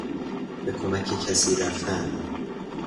به کمک کسی رفتن